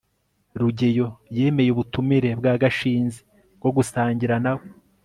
rugeyo yemeye ubutumire bwa gashinzi bwo gusangira nawe